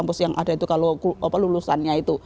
kampus yang ada itu kalau lulusannya itu